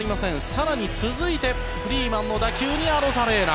更に続いて、フリーマンの打球にアロザレーナ。